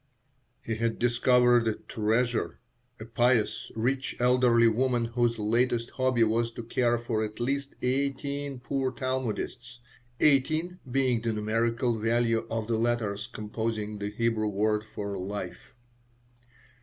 He had discovered a "treasure" a pious, rich, elderly woman whose latest hobby was to care for at least eighteen poor Talmudists eighteen being the numerical value of the letters composing the Hebrew word for "life."